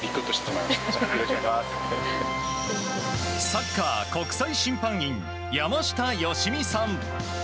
サッカー国際審判員山下良美さん。